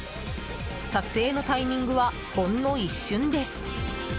撮影のタイミングはほんの一瞬です。